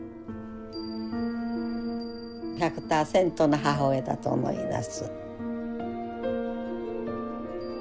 １００％の母親だと思います。